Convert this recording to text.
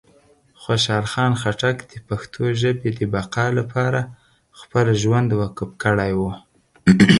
خوشحال خان خټک د پښتو ژبې د بقا لپاره خپل ژوند وقف کړی و.